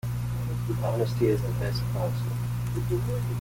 Honesty is the best policy.